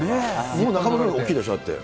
もう中丸より大きいでしょ？